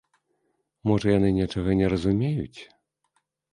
Можа, яны нечага не разумеюць.